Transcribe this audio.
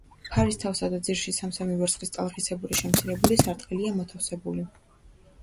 ფარის თავსა და ძირში სამ-სამი ვერცხლის ტალღისებური შემცირებული სარტყელია მოთავსებული.